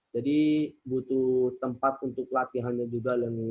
jadi butuh tempat untuk latihannya juga yang lebih